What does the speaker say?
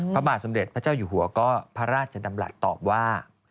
พระบาทสมเด็จพระเจ้าอยู่หัวก็พระราชดำรัฐตอบว่า